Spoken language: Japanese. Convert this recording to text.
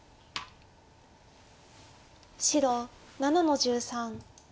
白７の十三。